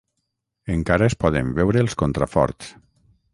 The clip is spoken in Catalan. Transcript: Encara es poden veure els contraforts.